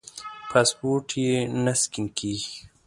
پاسپورټ یې نه سکېن کېږي.